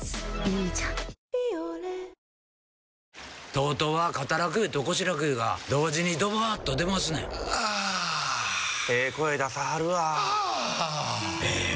ＴＯＴＯは肩楽湯と腰楽湯が同時にドバーッと出ますねんあええ声出さはるわあええ